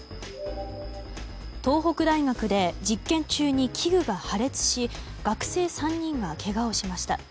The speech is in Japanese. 東北大学で実験中に器具が破裂し学生３人がけがをしました。